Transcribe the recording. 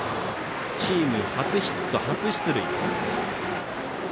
チーム初ヒット、初出塁。